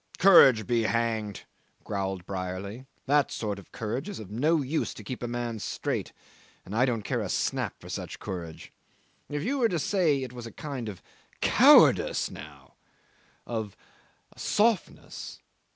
"Courage be hanged!" growled Brierly. "That sort of courage is of no use to keep a man straight, and I don't care a snap for such courage. If you were to say it was a kind of cowardice now of softness.